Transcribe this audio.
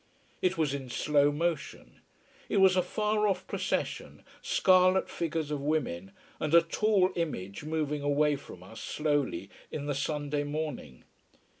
It was in slow motion. It was a far off procession, scarlet figures of women, and a tall image moving away from us, slowly, in the Sunday morning.